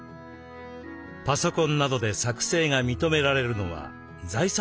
パソコンなどで作成が認められるのは財産目録だけです。